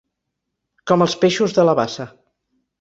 Com els peixos de la bassa.